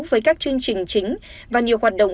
với các chương trình chính và nhiều hoạt động